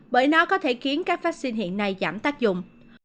bởi nó có thể khiến các vaccine hiện nay giảm tác dụng